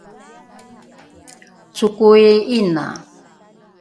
cokoi ’ina